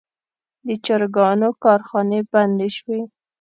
د چرګانو کارخانې بندې شوي.